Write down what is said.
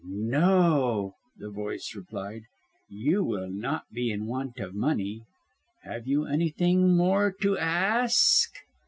"No!" the voice replied, "you will not be in want of money. Have you anything more to ask?"